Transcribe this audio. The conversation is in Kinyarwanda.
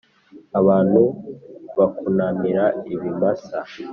abantu bakunamira ibimasa!